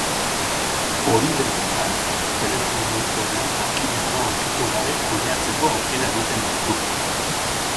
Hori dela eta, telefono mugikorrean parkimetroa ukitu gabe kudeatzeko aukera ematen baitu.